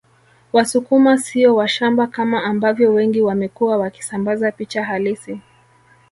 Wasukuma sio washamba kama ambavyo wengi wamekuwa wakisambaza picha halisi